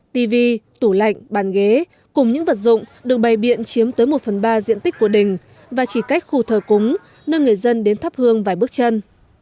tv tủ lạnh bàn ghế cùng những vật dụng được bày biện chiếm tới một phần ba diện tích của đình và chỉ cách khu thờ cúng nơi người dân đến thắp hương vài bước chân